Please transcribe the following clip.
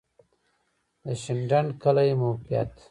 د شینډنډ کلی موقعیت